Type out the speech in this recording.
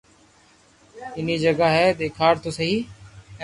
ڪئي جگہ ھي ديکاڙ تو سھي